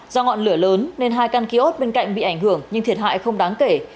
do ngọn lửa lớn nên hai căn kiosk bên cạnh bị ảnh hưởng nhưng thiệt hại không đáng kể